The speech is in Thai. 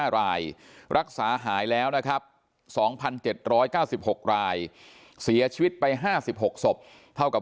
๕รายรักษาหายแล้วนะครับ๒๗๙๖รายเสียชีวิตไป๕๖ศพเท่ากับ